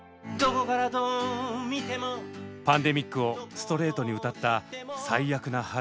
パンデミックをストレートに歌った「最悪な春」。